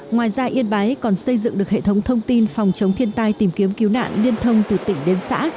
ngoài ra yên bái còn xây dựng được hệ thống thông tin phòng chống thiên tai tìm kiếm cứu nạn liên thông từ tỉnh đến xã